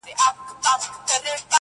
خو قانون د سلطنت دی نه بدلیږي!!